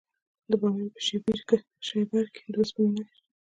د بامیان په شیبر کې د وسپنې نښې شته.